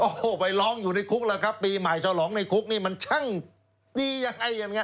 โอ้โฮไปร้องอยู่ในคุกปีหมายชาวหลองในคุกนี่มันช่างดีไย